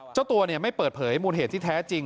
เจ้าตัวไม่เปิดเผยมูลเหตุที่แท้จริง